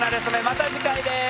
また次回です！